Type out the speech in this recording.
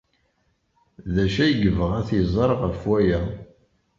D acu ay yebɣa ad t-iẓer ɣef waya?